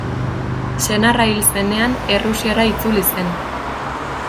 Senarra hil zenean, Errusiara itzuli zen.